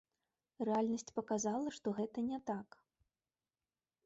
Рэальнасць паказала, што гэта не так.